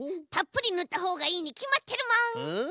たっぷりぬったほうがいいにきまってるもん。